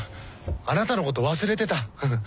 あなたのこと忘れてたフフ。